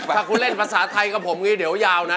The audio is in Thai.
ถ้าคุณเล่นภาษาไทยกับผมเดี๋ยวยาวนะ